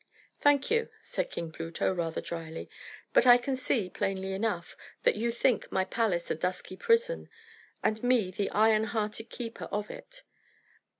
"Thank you," said King Pluto, rather dryly. "But I can see, plainly enough, that you think my palace a dusky prison, and me the iron hearted keeper of it.